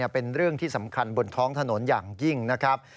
เป็นเรื่องที่สำคัญบนท้องถนนอย่างยิ่งนะครับ